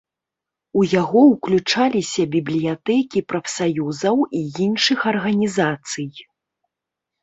У яго ўключаліся бібліятэкі прафсаюзаў і іншых арганізацый.